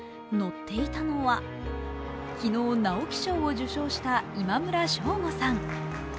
乗っていたのは昨日、直木賞を受賞した今村翔吾さん。